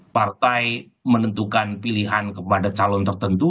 partai menentukan pilihan kepada calon tertentu